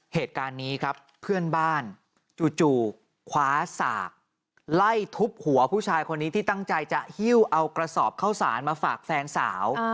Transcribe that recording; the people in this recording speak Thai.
เหตุการณ์นี้ครับเพื่อนบ้านจู่คว้าสากไล่ทุบหัวผู้ชายคนนี้ที่ตั้งใจจะหิ้วเอากระสอบเข้าสารมาฝากแฟนสาว